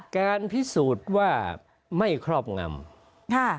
การพิสูจน์ว่าไม่ครอบงำค่ะ